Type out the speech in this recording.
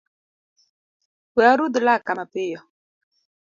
We arudh laka mapiyo